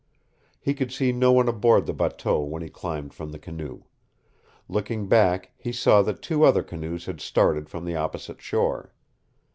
He could see no one aboard the bateau when he climbed from the canoe. Looking back, he saw that two other canoes had started from the opposite shore.